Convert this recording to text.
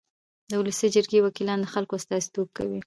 د ولسي جرګې وکیلان د خلکو استازیتوب کوي.